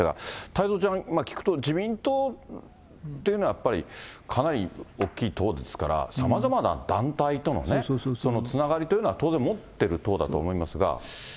太蔵ちゃん、聞くと、自民党というのはやっぱりかなり大きい党ですから、さまざまな団体とのね、つながりというのは当然持ってる党だと思いますが。